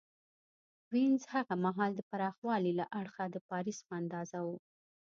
وینز هغه مهال د پراخوالي له اړخه د پاریس په اندازه و